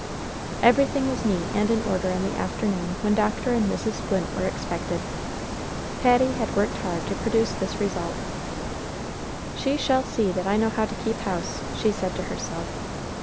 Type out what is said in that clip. Everything was neat and in order on the afternoon when Dr. and Mrs. Flint were expected. Patty had worked hard to produce this result. "She shall see that I know how to keep house," she said to herself.